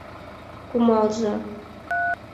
Кумалза!